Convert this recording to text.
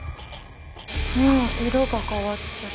うん色が変わっちゃう。